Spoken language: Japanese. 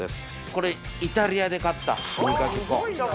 これ、イタリアで買った歯磨き粉。